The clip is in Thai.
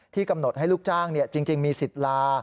ที่กำหนดให้ลูกจ้างเนี่ยจริงมีสิทธิ์ลา